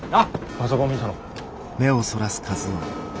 パソコン見たの？